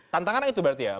tantangannya itu berarti ya